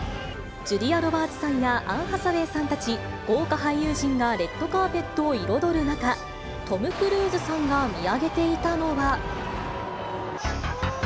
ジュリア・ロバーツさんやアン・ハサウェイさんたち豪華俳優陣がレッドカーペットを彩る中、トム・クルーズさんが見上げていたのは。